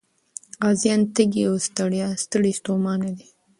غازيان تږي او ستړي ستومانه دي.